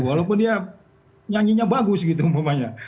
walaupun dia nyanyinya bagus gitu umpamanya